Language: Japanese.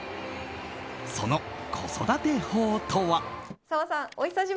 その子育て法とは。